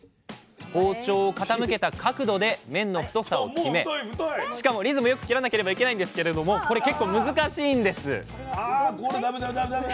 包丁を傾けた角度で麺の太さを決めしかもリズムよく切らなければいけないんですけれどもこれ結構難しいんですあこれダメダメダメ！